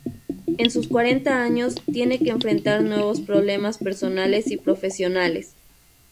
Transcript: En sus cuarenta años tiene que enfrentar nuevos problemas personales y profesionales.